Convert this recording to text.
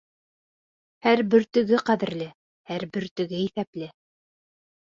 Һәр бөртөгө ҡәҙерле, һәр бөртөгө иҫәпле.